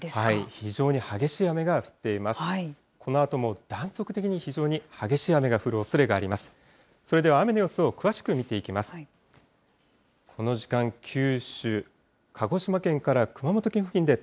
非常に激しい雨が降っています。